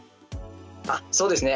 あそうですね。